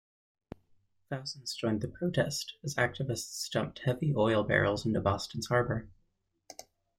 Thousands joined the protest, as activists dumped empty oil barrels into Boston's Harbor.